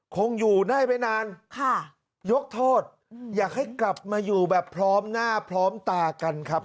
คงอยู่ได้ไปนานค่ะยกโทษอยากให้กลับมาอยู่แบบพร้อมหน้าพร้อมตากันครับ